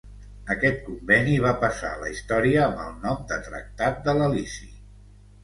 Aquest conveni va passar a la història amb el nom de Tractat de l'Elisi.